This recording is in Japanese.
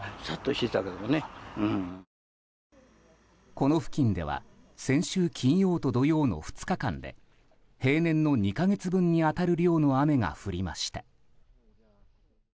この付近では先週金曜と土曜の２日間で平年の２か月分に当たる量の雨が降りました。